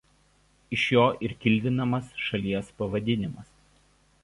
Iš jo ir kildinamas šalies pavadinimas.